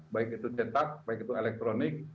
baik itu cetak baik itu elektronik